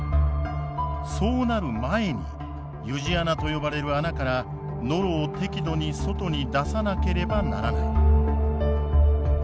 そうなる前に湯路穴と呼ばれる穴からノロを適度に外に出さなければならない。